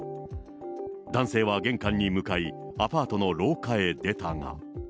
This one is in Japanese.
男性は玄関に向かい、アパートの廊下へ出たが。